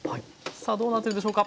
さあどうなってるでしょうか？